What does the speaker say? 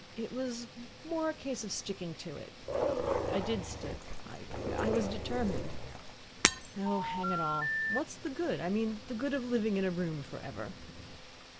It was more a case of sticking to it. I did stick. I I was determined. Oh, hang it all! what's the good I mean, the good of living in a room for ever?